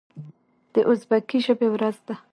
د ازبکي ژبې ورځ ده.